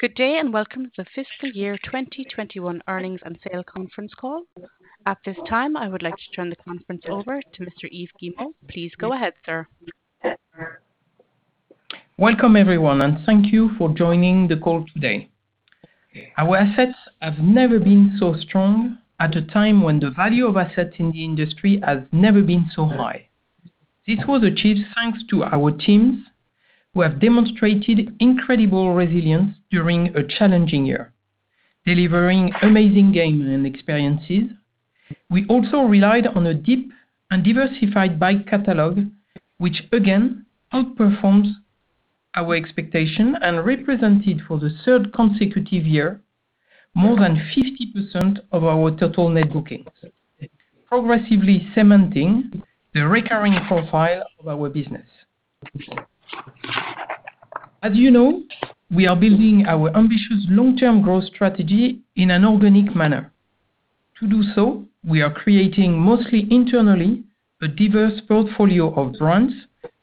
Good day, and welcome to the Fiscal Year 2021 Earnings and Sale Conference Call. At this time, I would like to turn the conference over to Mr. Yves Guillemot. Please go ahead, sir. Welcome everyone. Thank you for joining the call today. Our assets have never been so strong at a time when the value of assets in the industry has never been so high. This was achieved thanks to our teams, who have demonstrated incredible resilience during a challenging year, delivering amazing games and experiences. We also relied on a deep and diversified back catalog, which again outperforms our expectation and represented for the third consecutive year, more than 50% of our total net bookings, progressively cementing the recurring profile of our business. As you know, we are building our ambitious long-term growth strategy in an organic manner. To do so, we are creating mostly internally, a diverse portfolio of brands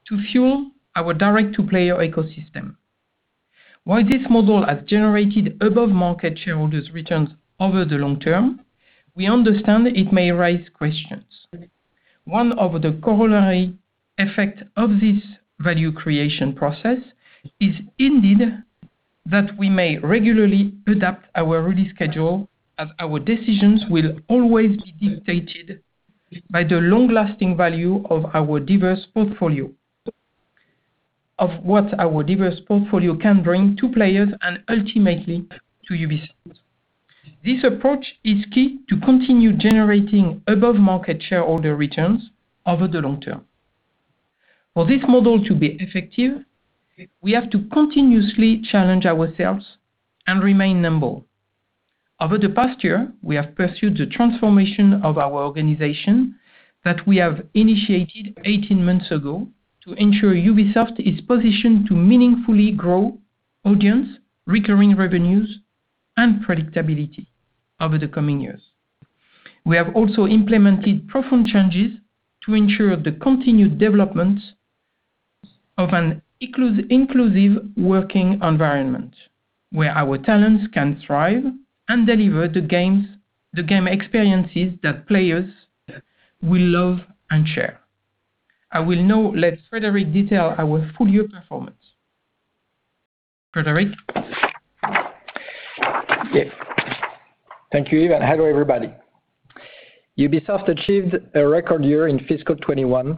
to fuel our direct to player ecosystem. While this model has generated above-market shareholders returns over the long term, we understand it may raise questions. One of the corollary effect of this value creation process is indeed that we may regularly adapt our release schedule, as our decisions will always be dictated by the long-lasting value of what our diverse portfolio can bring to players, and ultimately to Ubisoft. This approach is key to continue generating above-market shareholder returns over the long term. For this model to be effective, we have to continuously challenge ourselves and remain nimble. Over the past year, we have pursued the transformation of our organization that we have initiated 18 months ago to ensure Ubisoft is positioned to meaningfully grow audience, recurring revenues, and predictability over the coming years. We have also implemented profound changes to ensure the continued development of an inclusive working environment, where our talents can thrive and deliver the game experiences that players will love and share. I will now let Frédérick detail our full-year performance. Frédérick? Yes. Thank you, Yves, and hello everybody. Ubisoft achieved a record year in fiscal 2021,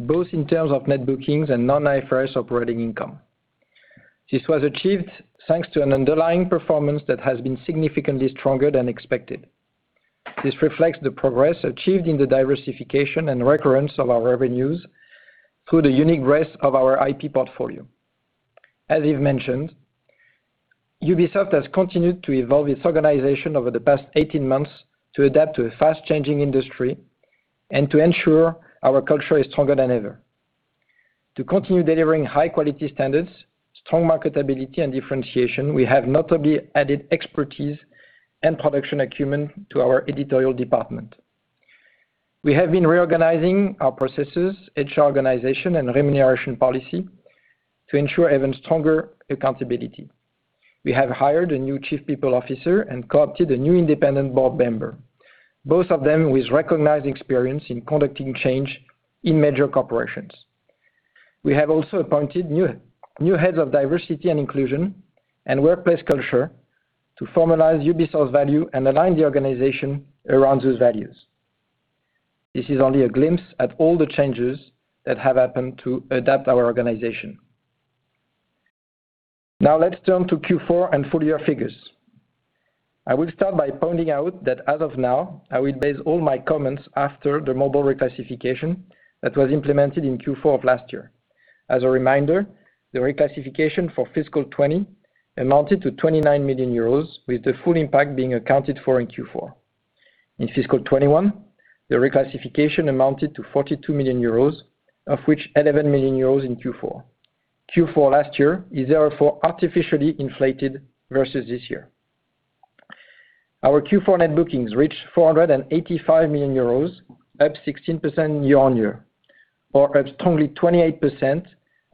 both in terms of net bookings and non-IFRS operating income. This was achieved thanks to an underlying performance that has been significantly stronger than expected. This reflects the progress achieved in the diversification and recurrence of our revenues through the unique breadth of our IP portfolio. As Yves mentioned, Ubisoft has continued to evolve its organization over the past 18 months to adapt to a fast-changing industry and to ensure our culture is stronger than ever. To continue delivering high-quality standards, strong marketability, and differentiation, we have notably added expertise and production acumen to our editorial department. We have been reorganizing our processes, HR organization, and remuneration policy to ensure even stronger accountability. We have hired a new Chief People Officer and co-opted a new independent Board Member, both of them with recognized experience in conducting change in major corporations. We have also appointed new heads of Diversity and Inclusion and Workplace Culture to formalize Ubisoft's value and align the organization around those values. This is only a glimpse at all the changes that have happened to adapt our organization. Now let's turn to Q4 and full-year figures. I will start by pointing out that as of now, I will base all my comments after the mobile reclassification that was implemented in Q4 of last year. As a reminder, the reclassification for fiscal 2020 amounted to 29 million euros, with the full impact being accounted for in Q4. In fiscal 2021, the reclassification amounted to 42 million euros, of which 11 million euros in Q4. Q4 last year is therefore artificially inflated versus this year. Our Q4 net bookings reached 485 million euros, up 16% year-on-year or up strongly 28%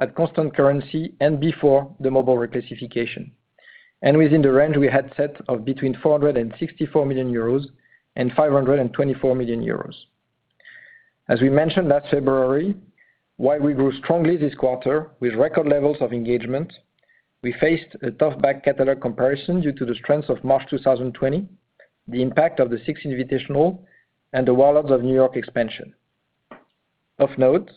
at constant currency and before the mobile reclassification. Within the range we had set of between 464 million euros and 524 million euros. As we mentioned last February, while we grew strongly this quarter with record levels of engagement, we faced a tough back-catalog comparison due to the strength of March 2020, the impact of the Six Invitational, and the Warlords of New York expansion. Of note,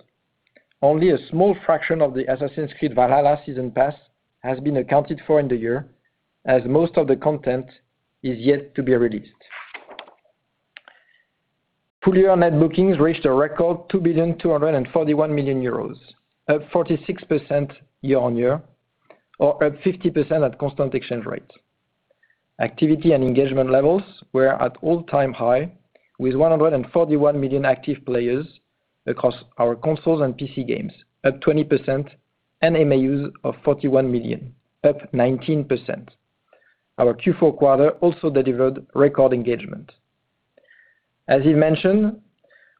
only a small fraction of the Assassin's Creed Valhalla season pass has been accounted for in the year, as most of the content is yet to be released. Full-year net bookings reached a record 2.241 billion, up 46% year-on-year or up 50% at constant exchange rate. Activity and engagement levels were at all-time high, with 141 million active players across our consoles and PC games up 20%, and MAUs of 41 million, up 19%. Our Q4 quarter also delivered record engagement. As you mentioned,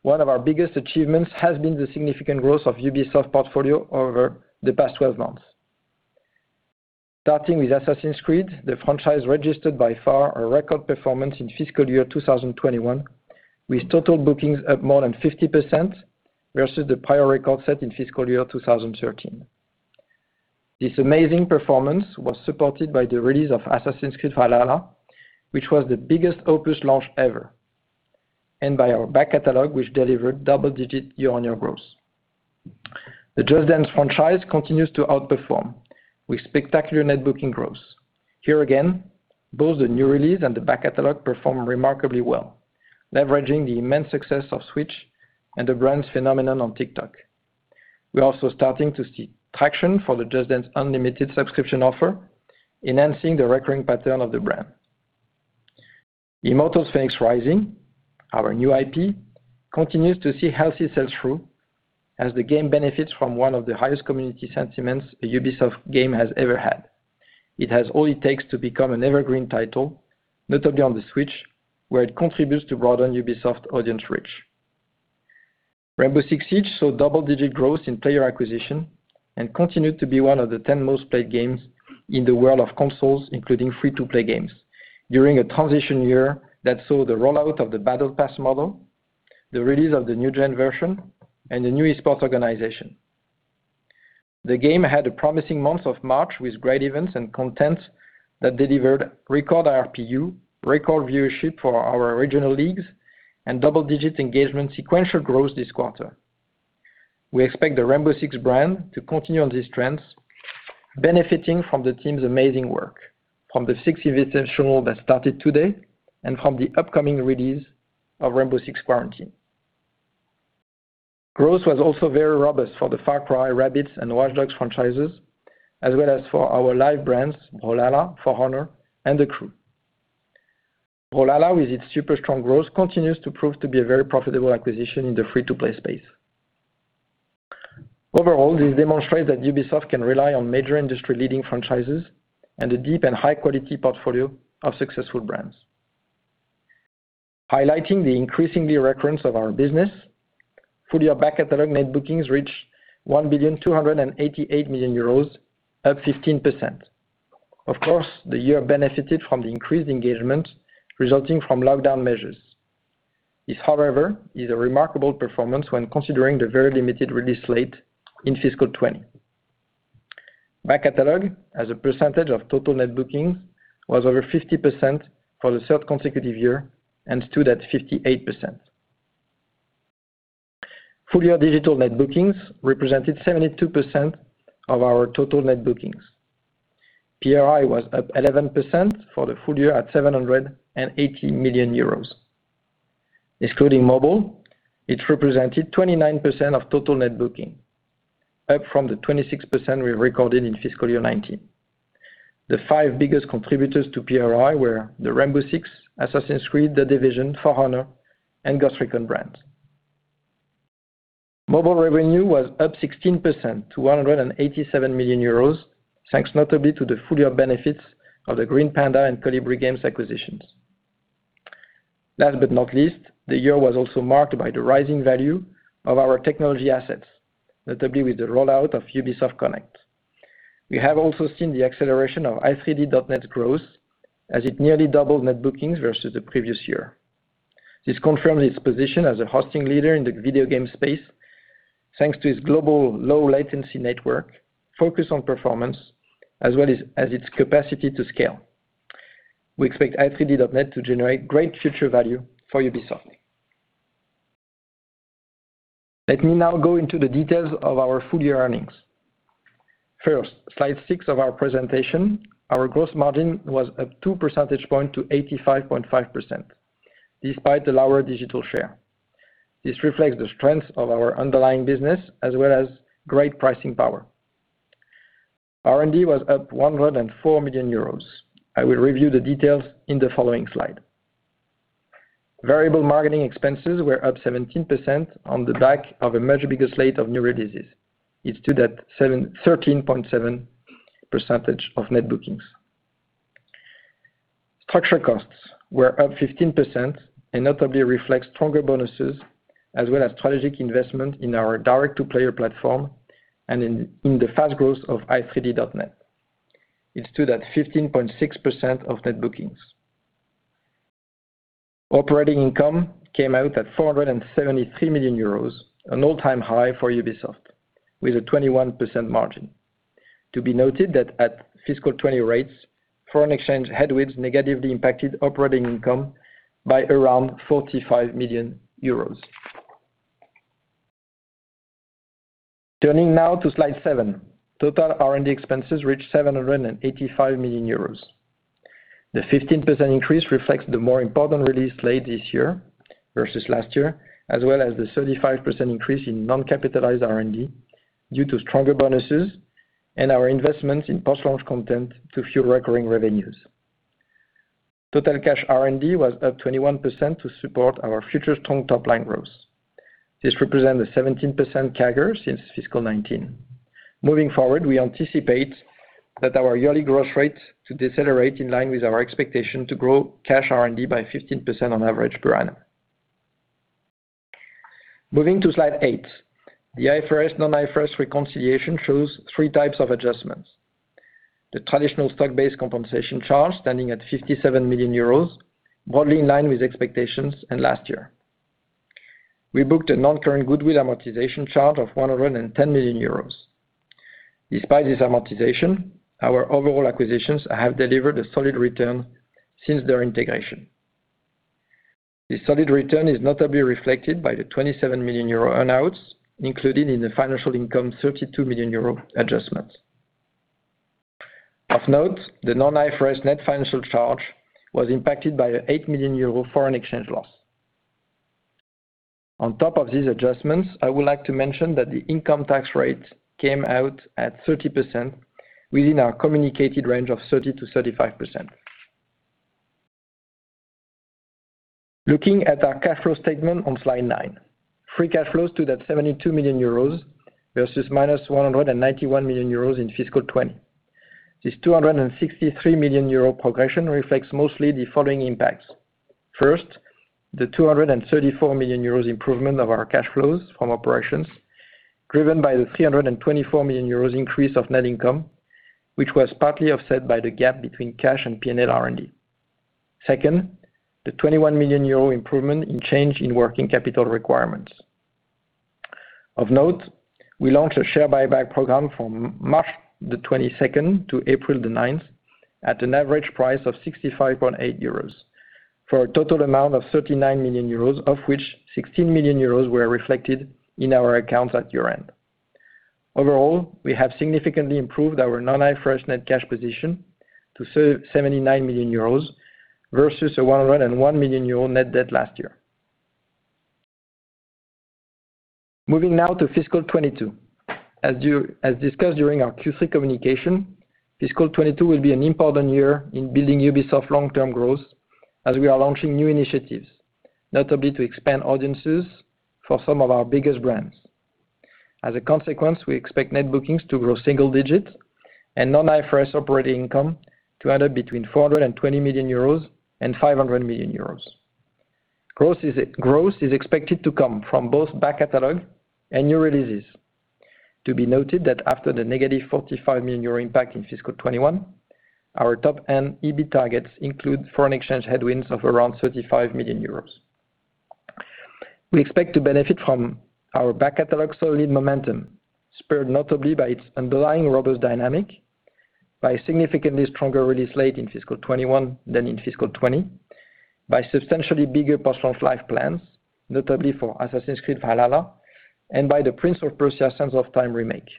one of our biggest achievements has been the significant growth of Ubisoft portfolio over the past 12 months. Starting with "Assassin's Creed," the franchise registered by far a record performance in fiscal year 2021, with total bookings up more than 50% versus the prior record set in fiscal year 2013. This amazing performance was supported by the release of "Assassin's Creed Valhalla," which was the biggest Opus launch ever, and by our back catalog, which delivered double-digit year-on-year growth. The "Just Dance" franchise continues to outperform with spectacular net booking growth. Here again, both the new release and the back catalog perform remarkably well, leveraging the immense success of Switch and the brand's phenomenon on TikTok. We're also starting to see traction for the Just Dance Unlimited subscription offer, enhancing the recurring pattern of the brand. "Immortals Fenyx Rising," our new IP, continues to see healthy sell through as the game benefits from one of the highest community sentiments a Ubisoft game has ever had. It has all it takes to become an evergreen title, notably on the Switch, where it contributes to broaden Ubisoft audience reach. "Rainbow Six Siege" saw double-digit growth in player acquisition and continued to be one of the 10 most played games in the world of consoles, including free-to-play games, during a transition year that saw the rollout of the battle pass model, the release of the new gen version, and the new esports organization. The game had a promising month of March with great events and content that delivered record RPU, record viewership for our regional leagues, and double-digit engagement sequential growth this quarter. We expect the Rainbow Six brand to continue on these trends, benefiting from the team's amazing work, from the Six Invitational that started today, and from the upcoming release of "Rainbow Six Quarantine." Growth was also very robust for the "Far Cry," "Rabbids," and "Watch Dogs" franchises, as well as for our live brands, "Brawlhalla," "For Honor," and "The Crew." "Brawlhalla" with its super strong growth continues to prove to be a very profitable acquisition in the free-to-play space. Overall, this demonstrates that Ubisoft can rely on major industry-leading franchises and a deep and high-quality portfolio of successful brands. Highlighting the increasing relevance of our business, full year back catalog net bookings reached 1.288 billion up 15%. Of course, the year benefited from the increased engagement resulting from lockdown measures. This, however, is a remarkable performance when considering the very limited release slate in fiscal 2020. Back catalog, as a percentage of total net bookings, was over 50% for the third consecutive year and stood at 58%. Full year digital net bookings represented 72% of our total net bookings. PRI was up 11% for the full year at 780 million euros. Excluding mobile, it represented 29% of total net booking, up from the 26% we recorded in fiscal year 2019. The five biggest contributors to PRI were the "Rainbow Six," "Assassin's Creed," "The Division," "For Honor," and "Ghost Recon" brands. Mobile revenue was up 16% to 187 million euros, thanks notably to the full-year benefits of the Green Panda and Kolibri Games acquisitions. Last but not least, the year was also marked by the rising value of our technology assets, notably with the rollout of Ubisoft Connect. We have also seen the acceleration of i3D.net growth as it nearly doubled net bookings versus the previous year. This confirms its position as a hosting leader in the video game space, thanks to its global low latency network, focus on performance, as well as its capacity to scale. We expect i3D.net to generate great future value for Ubisoft. Let me now go into the details of our full year earnings. First, slide six of our presentation. Our gross margin was up two percentage point to 85.5%, despite the lower digital share. This reflects the strength of our underlying business as well as great pricing power. R&D was up 104 million euros. I will review the details in the following slide. Variable marketing expenses were up 17% on the back of a much bigger slate of new releases. It stood at 13.7% of net bookings. Structural costs were up 15% and notably reflects stronger bonuses as well as strategic investment in our direct-to-player platform and in the fast growth of i3D.net. It stood at 15.6% of net bookings. Operating income came out at 473 million euros, an all-time high for Ubisoft with a 21% margin. To be noted that at fiscal 20 rates, foreign exchange headwinds negatively impacted operating income by around 45 million euros. Turning now to slide seven. Total R&D expenses reached 785 million euros. The 15% increase reflects the more important release slate this year versus last year, as well as the 35% increase in non-capitalized R&D due to stronger bonuses and our investments in post-launch content to fuel recurring revenues. Total cash R&D was up 21% to support our future strong top-line growth. This represents a 17% CAGR since fiscal 2019. Moving forward, we anticipate that our yearly growth rates to decelerate in line with our expectation to grow cash R&D by 15% on average per annum. Moving to slide eight. The IFRS/non-IFRS reconciliation shows three types of adjustments. The traditional stock-based compensation charge standing at 57 million euros, broadly in line with expectations and last year. We booked a non-current goodwill amortization charge of 110 million euros. Despite this amortization, our overall acquisitions have delivered a solid return since their integration. This solid return is notably reflected by the 27 million euro earn-outs included in the financial income 32 million euro adjustment. Of note, the non-IFRS net financial charge was impacted by an 8 million euro foreign exchange loss. On top of these adjustments, I would like to mention that the income tax rate came out at 30% within our communicated range of 30%-35%. Looking at our cash flow statement on slide nine. Free cash flows stood at 72 million euros versus minus 191 million euros in fiscal 2020. This 263 million euro progression reflects mostly the following impacts. First, the 234 million euros improvement of our cash flows from operations driven by the 324 million euros increase of net income, which was partly offset by the gap between cash and P&L R&D. Second, the 21 million euro improvement in change in working capital requirements. Of note, we launched a share buyback program from March the 22nd to April the 9th at an average price of 65.8 euros for a total amount of 39 million euros, of which 16 million euros were reflected in our accounts at year-end. Overall, we have significantly improved our non-IFRS net cash position to 79 million euros versus a 101 million euro net debt last year. Moving now to fiscal 2022. As discussed during our Q3 communication, fiscal 2022 will be an important year in building Ubisoft's long-term growth as we are launching new initiatives, notably to expand audiences for some of our biggest brands. As a consequence, we expect net bookings to grow single digits and non-IFRS operating income to add up between 420 million euros and 500 million euros. Growth is expected to come from both back-catalog and new releases. To be noted that after the negative 45 million euro impact in fiscal 2021, our top-end EBIT targets include foreign exchange headwinds of around 35 million euros. We expect to benefit from our back-catalog solid momentum, spurred notably by its underlying robust dynamic by a significantly stronger release slate in fiscal 2021 than in fiscal 2020, by substantially bigger post-launch life plans, notably for "Assassin's Creed Valhalla," and by "Prince of Persia: The Sands of Time" remake.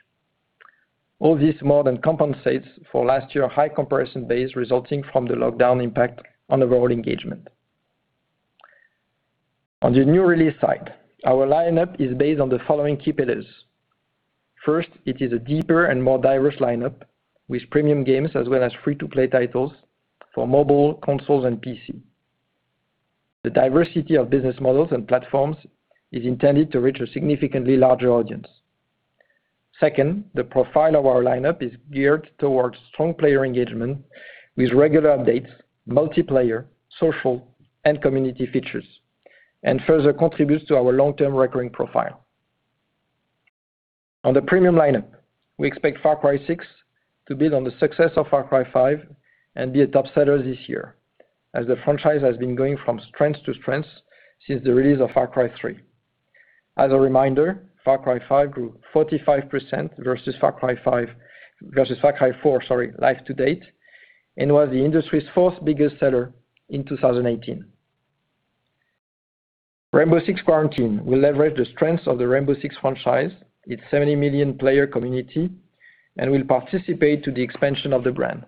All this more than compensates for last year's high comparison base resulting from the lockdown impact on overall engagement. On the new release side, our lineup is based on the following key pillars. First, it is a deeper and more diverse lineup with premium games as well as free-to-play titles for mobile, consoles, and PC. The diversity of business models and platforms is intended to reach a significantly larger audience. Second, the profile of our lineup is geared towards strong player engagement with regular updates, multiplayer, social, and community features, and further contributes to our long-term recurring profile. On the premium lineup, we expect Far Cry 6 to build on the success of Far Cry 5 and be a top seller this year, as the franchise has been going from strength to strength since the release of Far Cry 3. As a reminder, Far Cry 5 grew 45% versus Far Cry 4 life to date and was the industry's fourth biggest seller in 2018. Rainbow Six Quarantine will leverage the strengths of the Rainbow Six franchise, its 70 million-player community, and will participate to the expansion of the brand.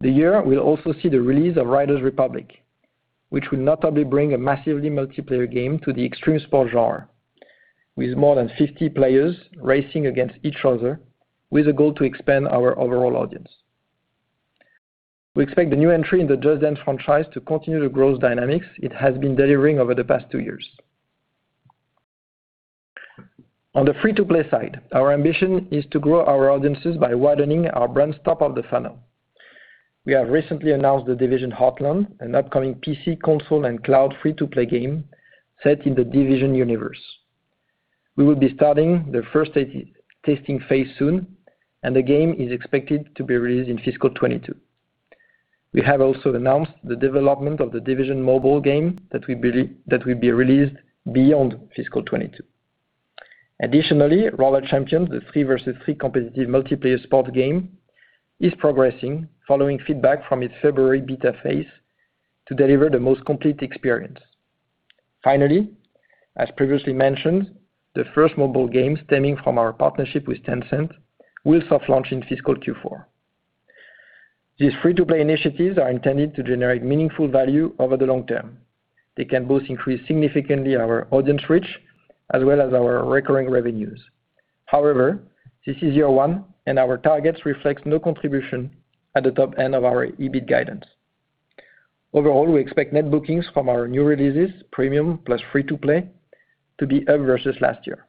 The year will also see the release of Riders Republic, which will notably bring a massively multiplayer game to the extreme sport genre, with more than 50 players racing against each other with a goal to expand our overall audience. We expect the new entry in the Just Dance franchise to continue the growth dynamics it has been delivering over the past two years. On the free-to-play side, our ambition is to grow our audiences by widening our brand's top of the funnel. We have recently announced The Division Heartland, an upcoming PC, console, and cloud free-to-play game set in The Division universe. We will be starting the first testing phase soon, and the game is expected to be released in fiscal 2022. We have also announced the development of The Division mobile game that will be released beyond fiscal 2022. Additionally, Roller Champions, the three versus three competitive multiplayer sport game, is progressing following feedback from its February beta phase to deliver the most complete experience. Finally, as previously mentioned, the first mobile game stemming from our partnership with Tencent will soft launch in fiscal Q4. These free-to-play initiatives are intended to generate meaningful value over the long term. They can both increase significantly our audience reach as well as our recurring revenues. However, this is year one, and our targets reflect no contribution at the top end of our EBIT guidance. Overall, we expect net bookings from our new releases, premium plus free-to-play, to be up versus last year.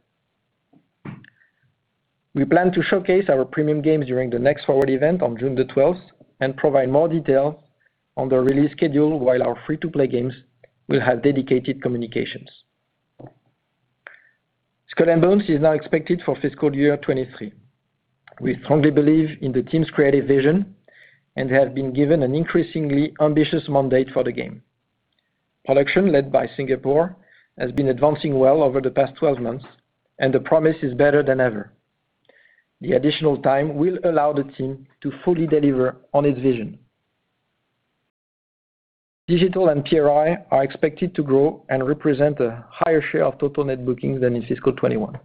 We plan to showcase our premium games during the next Forward event on June the 12th and provide more details on the release schedule while our free-to-play games will have dedicated communications. Skull and Bones is now expected for fiscal year 2023. We strongly believe in the team's creative vision and have been given an increasingly ambitious mandate for the game. Production, led by Singapore, has been advancing well over the past 12 months, and the promise is better than ever. The additional time will allow the team to fully deliver on its vision. Digital and PRI are expected to grow and represent a higher share of total net bookings than in fiscal 2021.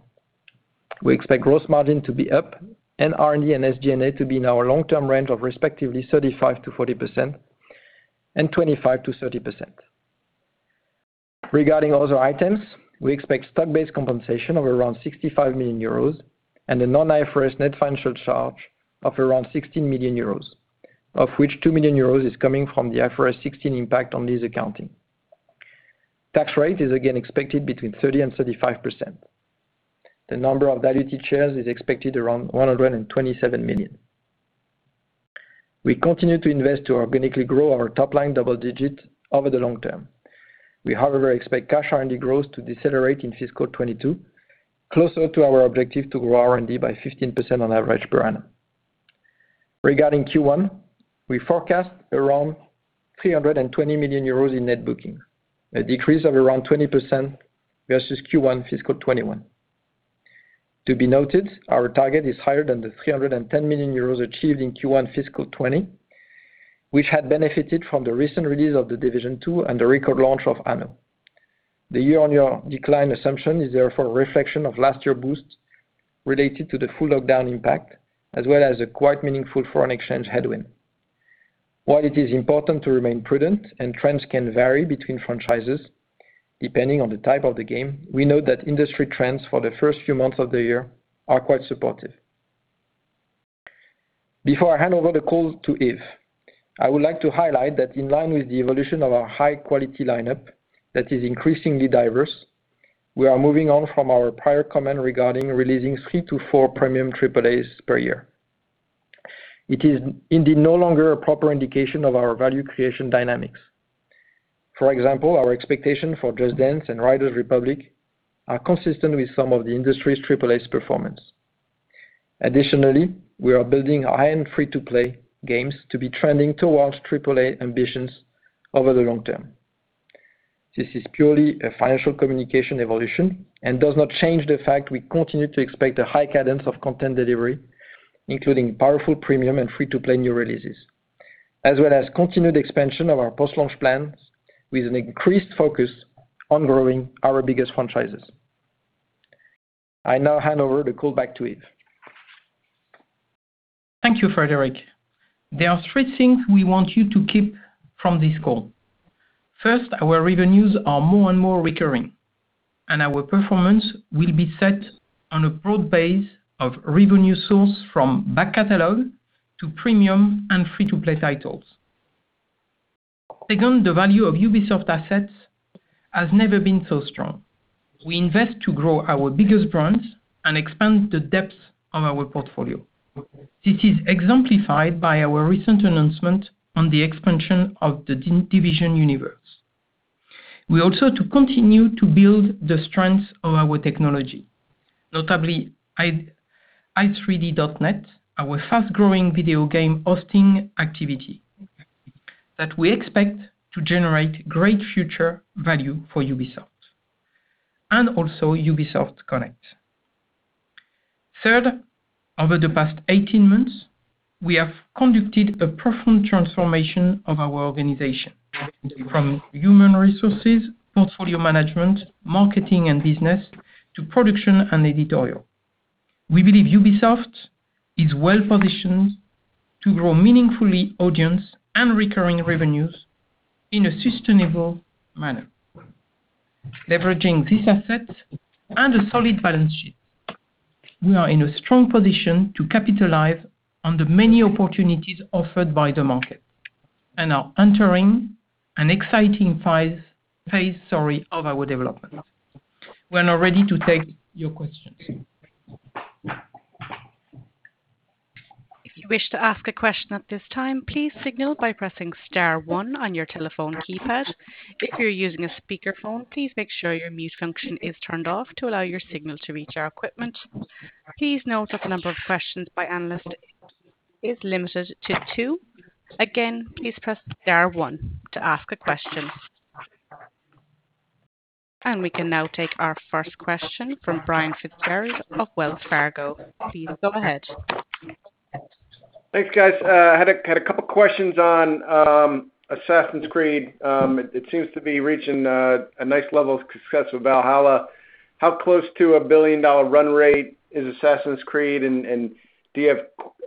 We expect gross margin to be up and R&D and SG&A to be in our long-term range of respectively 35%-40% and 25%-30%. Regarding other items, we expect stock-based compensation of around 65 million euros and a non-IFRS net financial charge of around 16 million euros, of which 2 million euros is coming from the IFRS 16 impact on lease accounting. Tax rate is again expected between 30% and 35%. The number of diluted shares is expected around 127 million. We continue to invest to organically grow our top line double digits over the long term. We, however, expect cash R&D growth to decelerate in fiscal 2022, closer to our objective to grow R&D by 15% on average per annum. Regarding Q1, we forecast around 320 million euros in net booking, a decrease of around 20% versus Q1 fiscal 2021. To be noted, our target is higher than the 310 million euros achieved in Q1 fiscal 2020, which had benefited from the recent release of The Division 2 and the record launch of Anno. The year-on-year decline assumption is therefore a reflection of last year's boost related to the full lockdown impact, as well as a quite meaningful foreign exchange headwind. While it is important to remain prudent and trends can vary between franchises depending on the type of the game, we note that industry trends for the first few months of the year are quite supportive. Before I hand over the call to Yves, I would like to highlight that in line with the evolution of our high-quality lineup that is increasingly diverse, we are moving on from our prior comment regarding releasing three to four premium AAA per year. It is indeed no longer a proper indication of our value creation dynamics. For example, our expectation for Just Dance and Riders Republic are consistent with some of the industry's AAA performance. Additionally, we are building high-end free-to-play games to be trending towards AAA ambitions over the long term. This is purely a financial communication evolution and does not change the fact we continue to expect a high cadence of content delivery, including powerful premium and free-to-play new releases, as well as continued expansion of our post-launch plans with an increased focus on growing our biggest franchises. I now hand over the call back to Yves. Thank you, Frederick. There are three things we want you to keep from this call. First, our revenues are more and more recurring, and our performance will be set on a broad base of revenue source from back catalog to premium and free-to-play titles. Second, the value of Ubisoft assets has never been so strong. We invest to grow our biggest brands and expand the depth of our portfolio. This is exemplified by our recent announcement on the expansion of "The Division" universe. We also continue to build the strength of our technology, notably i3D.net, our fast-growing video game hosting activity that we expect to generate great future value for Ubisoft, and also Ubisoft Connect. Third, over the past 18 months, we have conducted a profound transformation of our organization, from human resources, portfolio management, marketing and business, to production and editorial. We believe Ubisoft is well-positioned to grow meaningfully audience and recurring revenues in a sustainable manner. Leveraging these assets and a solid balance sheet, we are in a strong position to capitalize on the many opportunities offered by the market and are entering an exciting phase, sorry, of our development. We're now ready to take your questions. If you wish to ask a question at this time, please signal by pressing star one on your telephone keypad. If you're using a speakerphone, please make sure your mute function is turned off to allow your signal to reach our equipment. Please note that the number of questions by analyst is limited to two. Again, please press star one to ask a question. We can now take our first question from Brian Fitzgerald of Wells Fargo. Please go ahead. Thanks, guys. Had a couple questions on Assassin's Creed. It seems to be reaching a nice level of success with Valhalla. How close to a billion-dollar run rate is Assassin's Creed, and do you have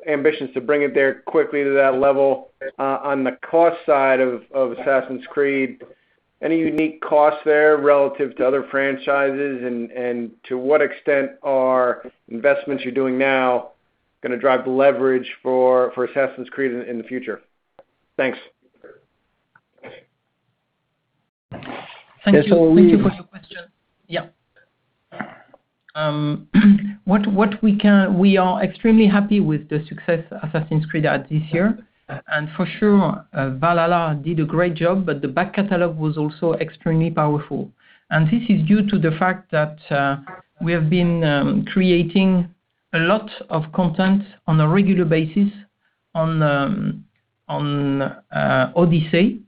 ambitions to bring it there quickly to that level? On the cost side of Assassin's Creed, any unique costs there relative to other franchises, and to what extent are investments you're doing now going to drive leverage for Assassin's Creed in the future? Thanks. Thank you for your question. We are extremely happy with the success Assassin's Creed had this year, and for sure, Valhalla did a great job, but the back catalog was also extremely powerful. This is due to the fact that we have been creating a lot of content on a regular basis on Odyssey.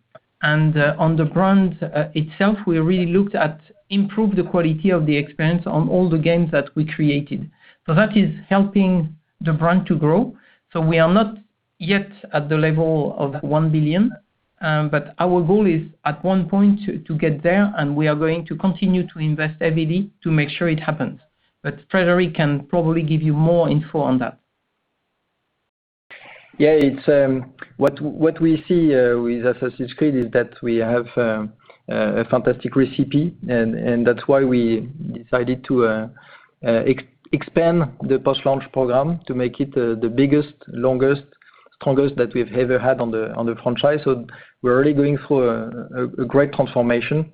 On the brand itself, we really looked at improve the quality of the experience on all the games that we created. That is helping the brand to grow. We are not yet at the level of 1 billion, but our goal is, at one point, to get there, and we are going to continue to invest heavily to make sure it happens. Frédérick can probably give you more info on that. Yeah. What we see with Assassin's Creed is that we have a fantastic recipe. That's why we decided to expand the post-launch program to make it the biggest, longest, strongest that we've ever had on the franchise. We're really going through a great transformation,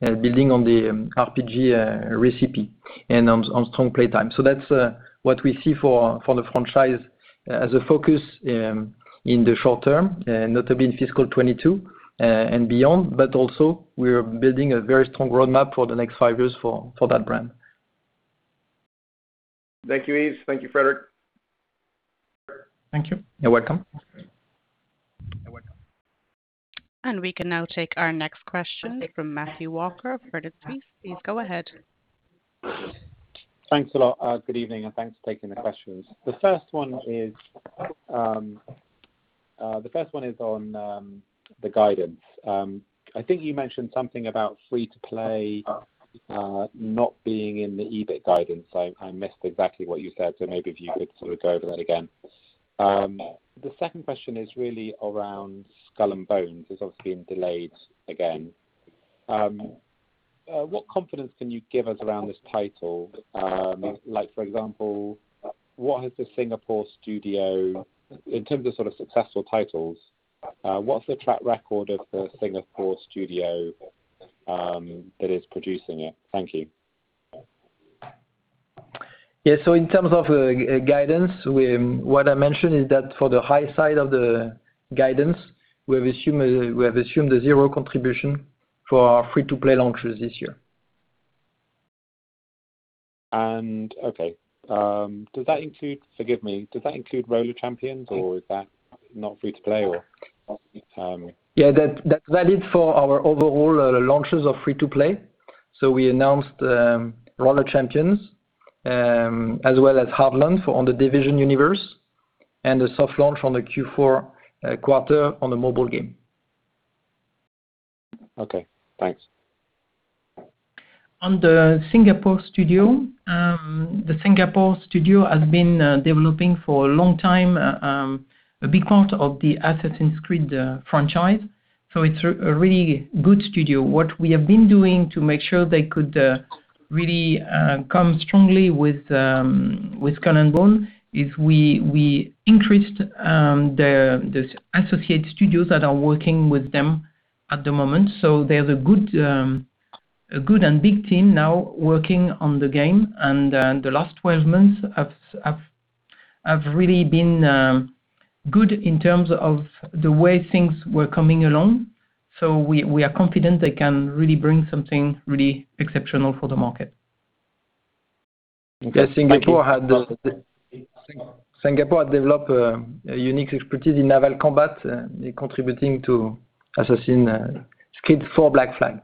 building on the RPG recipe and on strong play time. That's what we see for the franchise as a focus in the short term, notably in fiscal 2022 and beyond, but also, we're building a very strong roadmap for the next five years for that brand. Thank you, Yves. Thank you, Frédérick. Thank you. You're welcome. We can now take our next question from Matthew Walker, Credit Suisse. Please go ahead. Thanks a lot. Good evening, thanks for taking the questions. The first one is on the guidance. I think you mentioned something about free to play not being in the EBIT guidance. I missed exactly what you said, maybe if you could sort of go over that again. The second question is really around Skull and Bones. It's obviously been delayed again. What confidence can you give us around this title? For example, in terms of successful titles, what's the track record of the Singapore studio that is producing it? Thank you. Yeah. In terms of guidance, what I mentioned is that for the high side of the guidance, we have assumed a zero contribution for our free-to-play launches this year. Okay. Forgive me. Does that include Roller Champions, or is that not free to play, or? Yeah. That's valid for our overall launches of free to play. We announced Roller Champions, as well as Heartland for on The Division universe, and the soft launch on the Q4 quarter on the mobile game. Okay, thanks. On the Singapore studio, the Singapore studio has been developing for a long time a big part of the Assassin's Creed franchise. It's a really good studio. What we have been doing to make sure they could really come strongly with Skull and Bones is we increased the associate studios that are working with them at the moment. They have a good and big team now working on the game. The last 12 months have really been good in terms of the way things were coming along. We are confident they can really bring something really exceptional for the market. Yes. Singapore had developed a unique expertise in naval combat, contributing to Assassin's Creed IV: Black Flag.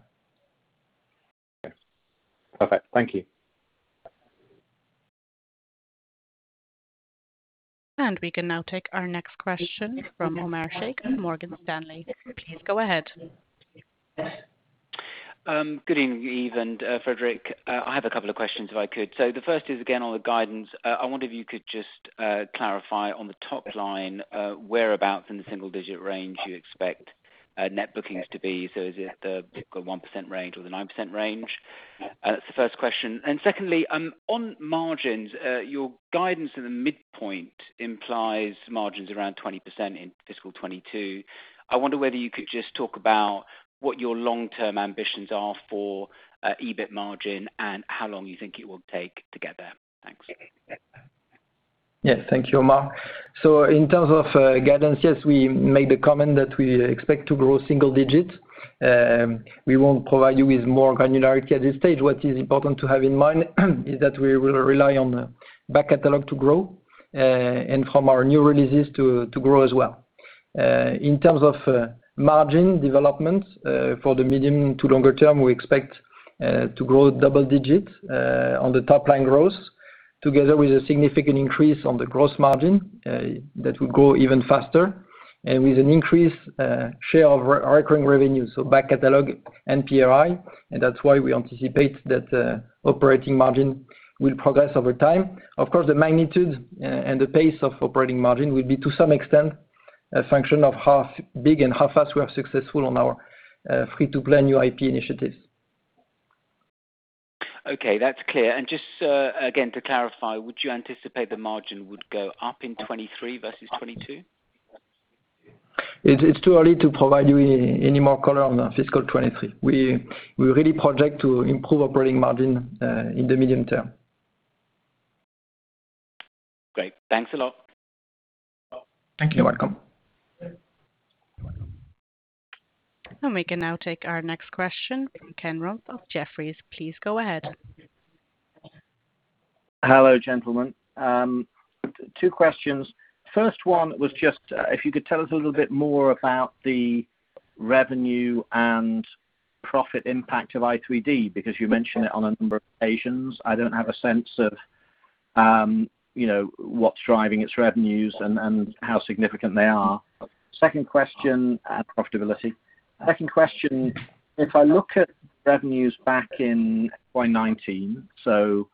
Okay. Perfect. Thank you. We can now take our next question from Omar Sheikh, Morgan Stanley. Please go ahead. Good evening, Yves and Frédérick. I have a couple of questions, if I could. The first is, again, on the guidance. I wonder if you could just clarify on the top line, whereabouts in the single-digit range you expect net bookings to be. Is it the particular 1% range or the 9% range? That's the first question. Secondly, on margins, your guidance to the midpoint implies margins around 20% in fiscal 2022. I wonder whether you could just talk about what your long-term ambitions are for EBIT margin and how long you think it will take to get there. Thanks. Yeah. Thank you, Omar. In terms of guidance, yes, we made the comment that we expect to grow single digits. We won't provide you with more granularity at this stage. What is important to have in mind is that we will rely on the back catalog to grow and from our new releases to grow as well. In terms of margin developments for the medium to longer term, we expect to grow double digits on the top-line growth, together with a significant increase on the gross margin that will grow even faster and with an increased share of recurring revenue, so back catalog and PRI. That's why we anticipate that operating margin will progress over time. Of course, the magnitude and the pace of operating margin will be, to some extent, a function of how big and how fast we are successful on our free to play new IP initiatives. Okay, that's clear. Just again, to clarify, would you anticipate the margin would go up in 2023 versus 2022? It's too early to provide you any more color on fiscal 2023. We really project to improve operating margin in the medium term. Great. Thanks a lot. Thank you. You're welcome. We can now take our next question from Ken Rumph of Jefferies. Please go ahead. Hello, gentlemen. Two questions. First one was just if you could tell us a little bit more about the revenue and profit impact of i3D, because you mentioned it on a number of occasions. I don't have a sense of what's driving its revenues and how significant they are, and profitability. Second question, if I look at revenues back in FY 2019, so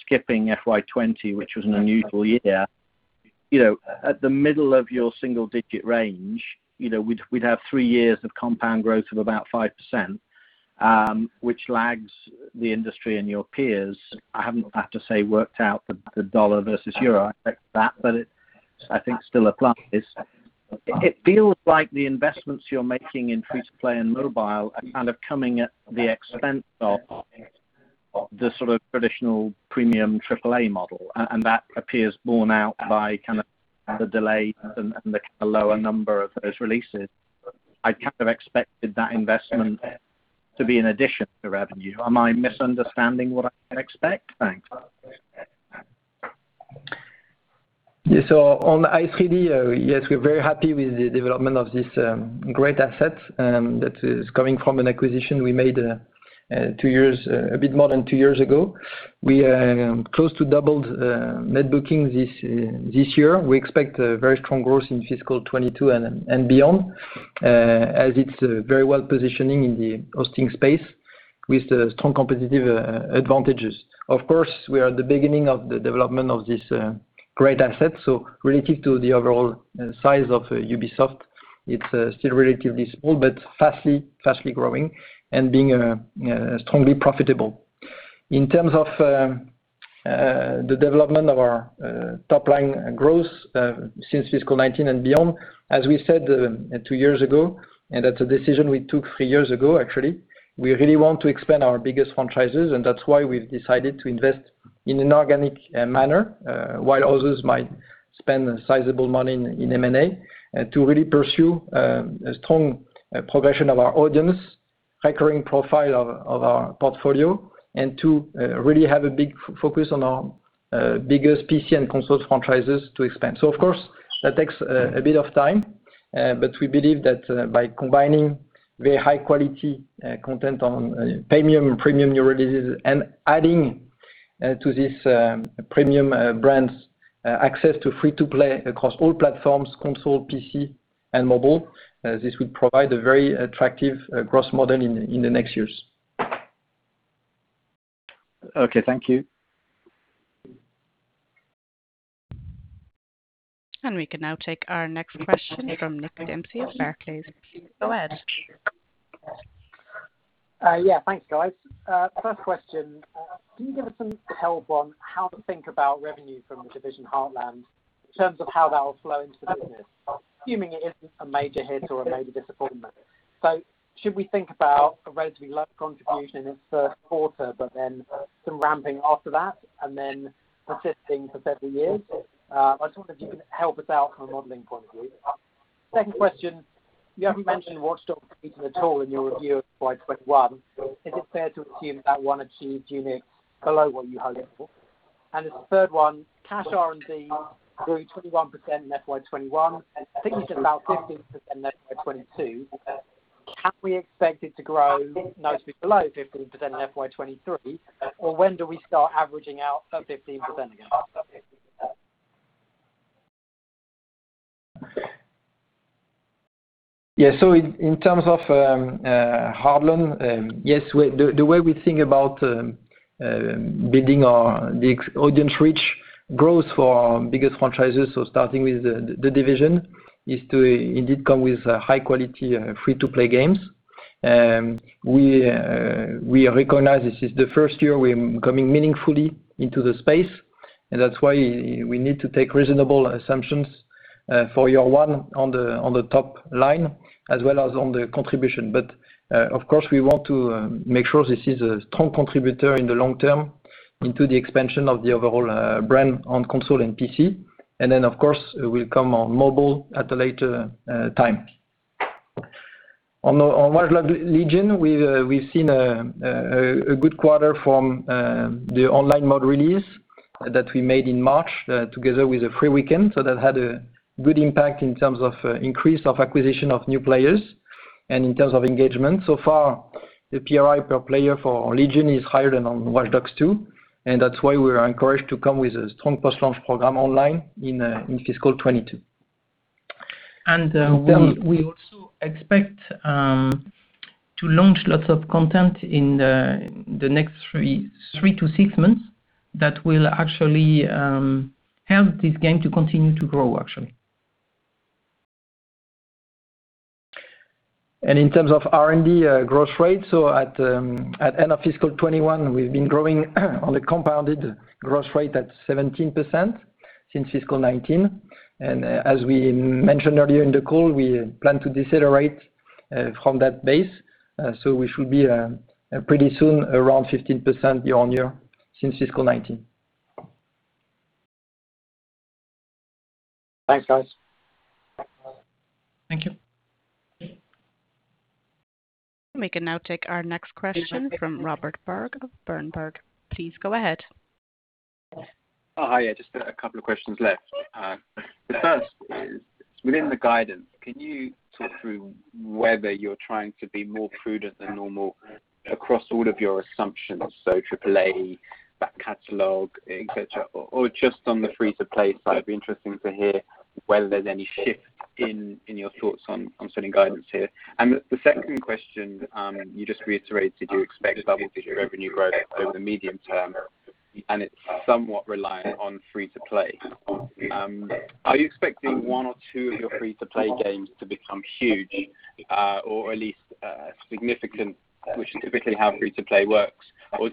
skipping FY 2020, which was an unusual year, at the middle of your single-digit range, we'd have three years of compound growth of about 5%, which lags the industry and your peers. I haven't, I have to say, worked out the dollar versus euro effect of that. It, I think, still applies. It feels like the investments you're making in free-to-play and mobile are kind of coming at the expense of the sort of traditional premium AAA model, and that appears borne out by kind of the delay and the kind of lower number of those releases. I kind of expected that investment to be an addition to revenue. Am I misunderstanding what I can expect? Thanks. Yes. On i3D, yes, we're very happy with the development of this great asset that is coming from an acquisition we made a bit more than two years ago. We close to doubled net booking this year. We expect very strong growth in fiscal 2022 and beyond, as it's very well positioning in the hosting space with strong competitive advantages. Of course, we are at the beginning of the development of this great asset. Relative to the overall size of Ubisoft, it's still relatively small, but fastly growing and being strongly profitable. In terms of the development of our top-line growth since fiscal 2019 and beyond, as we said two years ago, and that's a decision we took three years ago, actually, we really want to expand our biggest franchises, and that's why we've decided to invest in an organic manner, while others might spend sizable money in M&A to really pursue a strong progression of our audience, recurring profile of our portfolio, and to really have a big focus on our biggest PC and console franchises to expand. Of course, that takes a bit of time, but we believe that by combining very high-quality content on premium new releases and adding to this premium brands access to free-to-play across all platforms, console, PC, and mobile, this will provide a very attractive growth model in the next years. Okay. Thank you. We can now take our next question from Nick Dempsey of Barclays. Go ahead. Thanks, guys. First question, can you give us some help on how to think about revenue from The Division Heartland in terms of how that will flow into the business? Assuming it isn't a major hit or a major disappointment. Should we think about a relatively low contribution in its first quarter, but then some ramping after that, and then persisting for several years? I just wonder if you can help us out from a modeling point of view. Second question, you haven't mentioned Watch Dogs at all in your review of FY 2021. Is it fair to assume that one achieved units below what you had hoped for? The third one, cash R&D grew 21% in FY 2021. I think you said about 15% in FY 2022. Can we expect it to grow noticeably below 15% in FY 2023, or when do we start averaging out sub 15% again? In terms of Heartland, yes, the way we think about building our big audience reach growth for our biggest franchises, starting with The Division, is to indeed come with high-quality free-to-play games. We recognize this is the first year we're coming meaningfully into the space, and that's why we need to take reasonable assumptions for year one on the top line as well as on the contribution. Of course, we want to make sure this is a strong contributor in the long term into the expansion of the overall brand on console and PC. Of course, we'll come on mobile at a later time. On Watch Dogs: Legion, we've seen a good quarter from the online mode release that we made in March together with a free weekend. That had a good impact in terms of increase of acquisition of new players and in terms of engagement. So far, the PRI per player for Legion is higher than on Watch Dogs 2. That's why we're encouraged to come with a strong post-launch program online in fiscal 2022. We also expect to launch lots of content in the next three to six months that will actually help this game to continue to grow, actually. In terms of R&D growth rate, at end of fiscal 2021, we've been growing on a compounded growth rate at 17% since fiscal 2019. As we mentioned earlier in the call, we plan to decelerate from that base. We should be pretty soon around 15% year-over-year since fiscal 2019. Thanks, guys. Thank you. We can now take our next question from Robert Berg of Berenberg. Please go ahead. Hi. Just a couple of questions left. The first is, within the guidance, can you talk through whether you're trying to be more prudent than normal across all of your assumptions, so AAA, back catalog, et cetera, or just on the free-to-play side? It'd be interesting to hear whether there's any shift in your thoughts on setting guidance here. The second question, you just reiterated you expect double-digit revenue growth over the medium term, and it's somewhat reliant on free-to-play. Are you expecting one or two of your free-to-play games to become huge, or at least significant, which is typically how free-to-play works? Do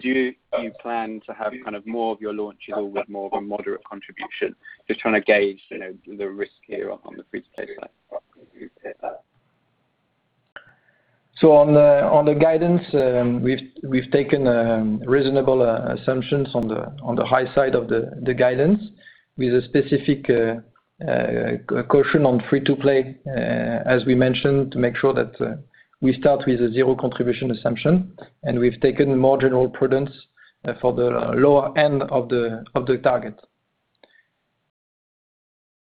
you plan to have more of your launches or more of a moderate contribution? Just trying to gauge the risk here on the free-to-play side. On the guidance, we've taken reasonable assumptions on the high side of the guidance with a specific caution on free-to-play, as we mentioned, to make sure that we start with a zero contribution assumption, and we've taken more general prudence for the lower end of the target.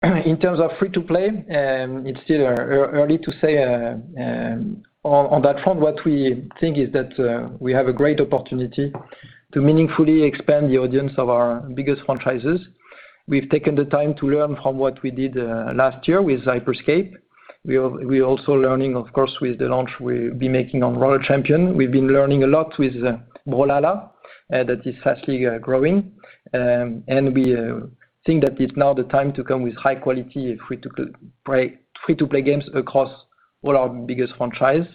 In terms of free-to-play, it's still early to say. On that front, what we think is that we have a great opportunity to meaningfully expand the audience of our biggest franchises. We've taken the time to learn from what we did last year with Hyper Scape. We're also learning, of course, with the launch we'll be making on Roller Champions. We've been learning a lot with Brawlhalla, that is fastly growing. We think that it's now the time to come with high-quality free-to-play games across all our biggest franchises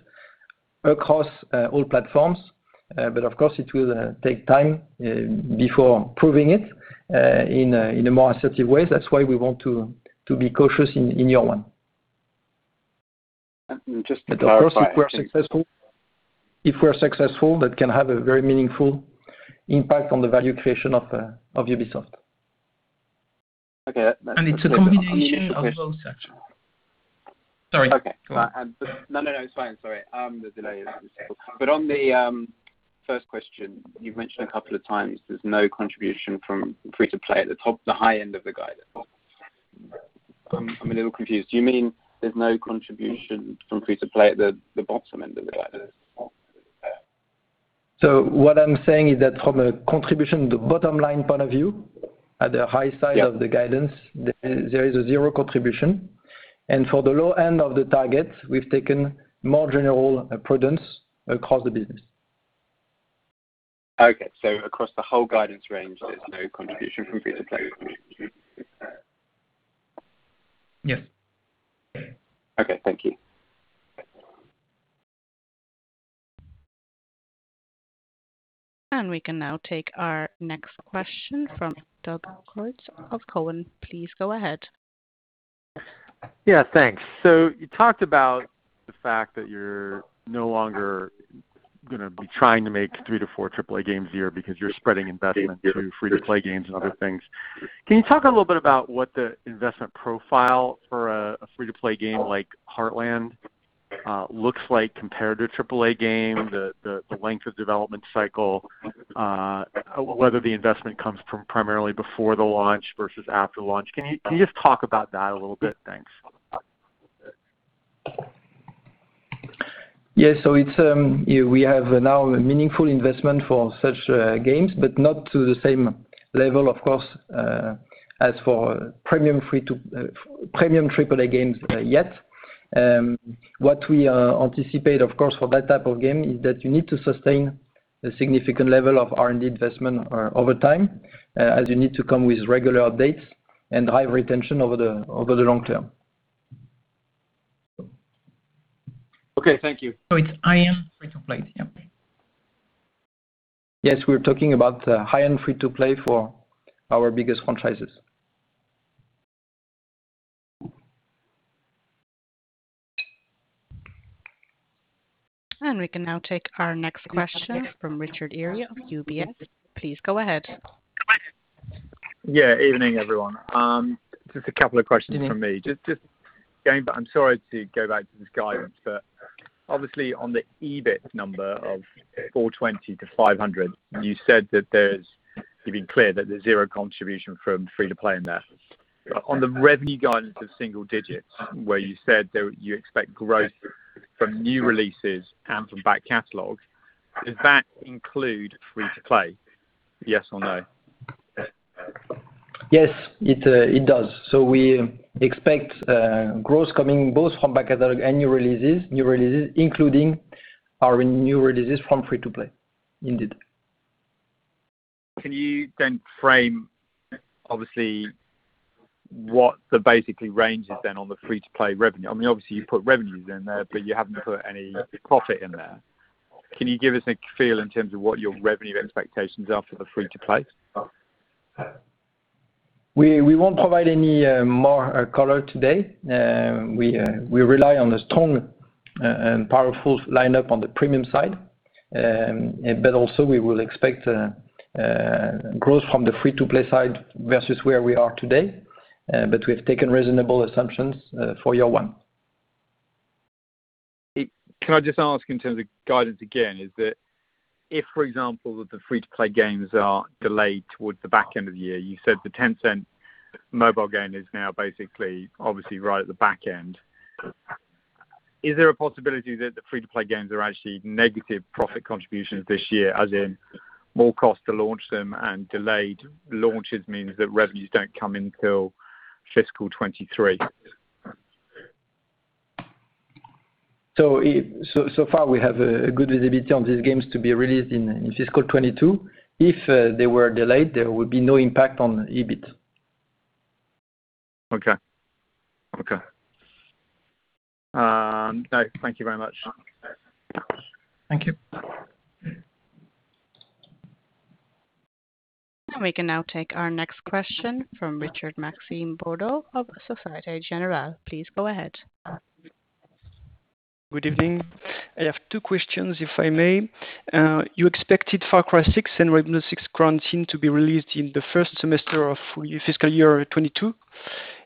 across all platforms. Of course, it will take time before proving it in a more assertive way. That's why we want to be cautious in year one. Just to clarify. Of course, if we're successful, that can have a very meaningful impact on the value creation of Ubisoft. Okay. It's a combination of both actually. Sorry. Okay. Go on. No, it's fine. Sorry. The delay is awful. On the first question, you've mentioned a couple of times there's no contribution from free-to-play at the top, the high end of the guidance. I'm a little confused. Do you mean there's no contribution from free-to-play at the bottom end of the guidance? What I'm saying is that from a contribution, the bottom line point of view, at the high side. Yeah of the guidance, there is a zero contribution. For the low end of the target, we've taken more general prudence across the business. Okay. Across the whole guidance range, there is no contribution from free-to-play. Yes. Okay. Thank you. We can now take our next question from Doug Creutz of Cowen. Please go ahead. Yeah. Thanks. You talked about the fact that you're no longer going to be trying to make three to four AAA games a year because you're spreading investment to free-to-play games and other things. Can you talk a little bit about what the investment profile for a free-to-play game like Heartland looks like compared to AAA game, the length of development cycle, whether the investment comes from primarily before the launch versus after launch? Can you just talk about that a little bit? Thanks. Yeah. We have now a meaningful investment for such games, but not to the same level, of course, as for premium AAA games yet. What we anticipate, of course, for that type of game is that you need to sustain a significant level of R&D investment over time, as you need to come with regular updates and high retention over the long term. Okay. Thank you. It's high-end free-to-play. Yeah. Yes. We're talking about high-end free to play for our biggest franchises. We can now take our next question from Richard Eary of UBS. Please go ahead. Yeah. Evening, everyone. Just a couple of questions from me. I'm sorry to go back to this guidance, obviously on the EBIT number of 420 million-500 million, you said that you've been clear that there's zero contribution from free-to-play in there. On the revenue guidance of single digits, where you said that you expect growth from new releases and from back catalog, does that include free-to-play? Yes or no? Yes, it does. We expect growth coming both from back catalog and new releases, including our new releases from free-to-play, indeed. Can you frame, obviously, what the basically range is then on the free-to-play revenue? Obviously you put revenues in there, but you haven't put any profit in there. Can you give us a feel in terms of what your revenue expectations are for the free-to-play? We won't provide any more color today. We rely on a strong and powerful lineup on the premium side. Also, we will expect growth from the free-to-play side versus where we are today. We have taken reasonable assumptions for year one. Can I just ask in terms of guidance again, is that if, for example, the free-to-play games are delayed towards the back end of the year, you said the Tencent mobile game is now basically, obviously right at the back end. Is there a possibility that the free-to-play games are actually negative profit contributions this year, as in more cost to launch them and delayed launches means that revenues don't come until fiscal 2023? Far we have a good visibility on these games to be released in fiscal 2022. If they were delayed, there would be no impact on EBIT. Okay. Thank you very much. Thank you. We can now take our next question from Richard-Maxime Beaudoux of Société Générale. Please go ahead. Good evening. I have two questions, if I may. You expected Far Cry 6 and Rainbow Six Quarantine to be released in the first semester of fiscal year 2022.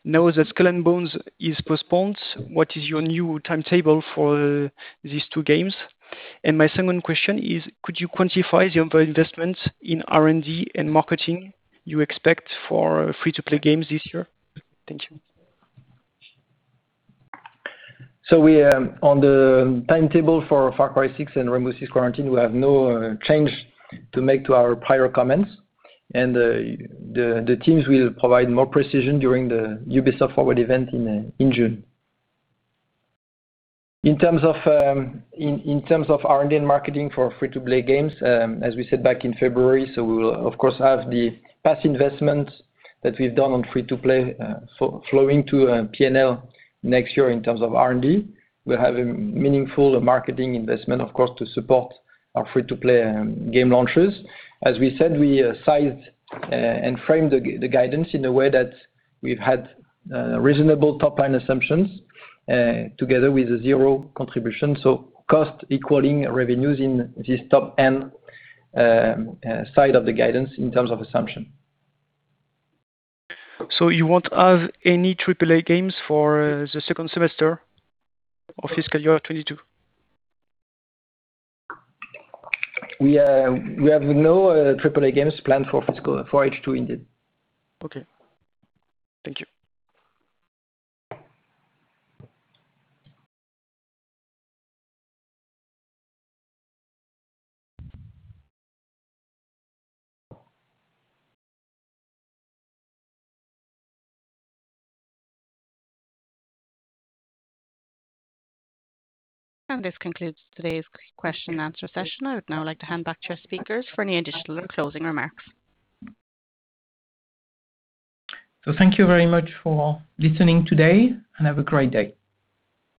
Now that Skull and Bones is postponed, what is your new timetable for these two games? My second question is, could you quantify the investments in R&D and marketing you expect for free-to-play games this year? Thank you. On the timetable for Far Cry 6 and Rainbow Six Quarantine, we have no change to make to our prior comments. The teams will provide more precision during the Ubisoft Forward event in June. In terms of R&D and marketing for free-to-play games, as we said back in February, we will of course have the past investments that we've done on free-to-play flowing to P&L next year in terms of R&D. We have a meaningful marketing investment, of course, to support our free-to-play game launches. As we said, we sized and framed the guidance in a way that we've had reasonable top-line assumptions, together with zero contribution, cost equaling revenues in this top-end side of the guidance in terms of assumption. You won't have any AAA games for the second semester of fiscal year 2022? We have no AAA games planned for fiscal for H2 indeed. Okay. Thank you. This concludes today's question and answer session. I would now like to hand back to our speakers for any additional closing remarks. Thank you very much for listening today, and have a great day.